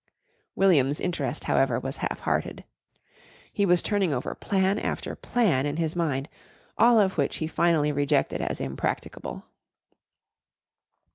William's interest, however, was half hearted. He was turning over plan after plan in his mind, all of which he finally rejected as impracticable.